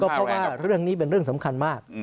เพราะว่าเรื่องนี้เป็นเรื่องสำคัญมาก